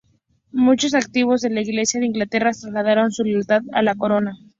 Muchos activos de la Iglesia de Inglaterra trasladaron su lealtad a la corona.